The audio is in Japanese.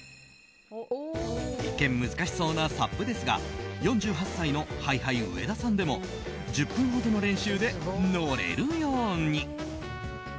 一見難しそうなサップですが４８歳のＨｉ‐Ｈｉ上田さんでも１０分ほどの練習で乗れるように。